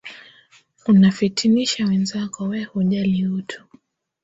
Unafitinisha wenzako we hujali utu.